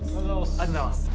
ありがとうございます。